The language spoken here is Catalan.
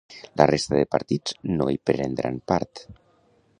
La resta de partits no hi prendran part.